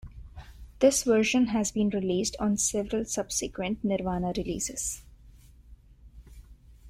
This version has been released on several subsequent Nirvana releases.